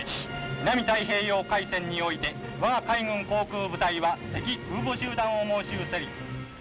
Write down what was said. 南太平洋海戦において我が海軍航空部隊は敵空母集団を猛襲せり」。